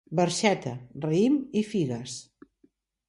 Barxeta, raïm i figues.